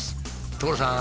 所さん！